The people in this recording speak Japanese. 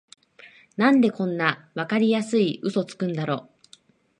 なんでこんなわかりやすいウソつくんだろ